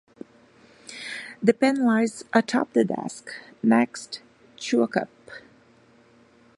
The pen lies atop the desk, next to a cup.